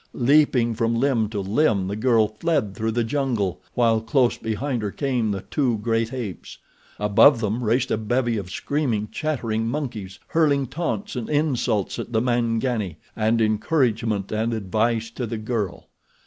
Leaping from limb to limb the girl fled through the jungle while close behind her came the two great apes. Above them raced a bevy of screaming, chattering monkeys, hurling taunts and insults at the Mangani, and encouragement and advice to the girl.